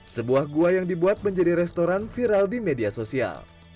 sebuah gua yang dibuat menjadi restoran viral di media sosial